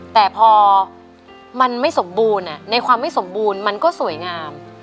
แต่พอมันไม่สมบูรณ์ในความไม่สมบูรณ์มันก็สวยงาม